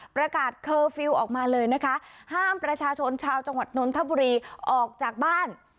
เคอร์ฟิลล์ออกมาเลยนะคะห้ามประชาชนชาวจังหวัดนนทบุรีออกจากบ้าน